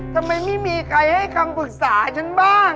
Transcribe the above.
ทำไมไม่มีใครให้คำปรึกษาฉันบ้าง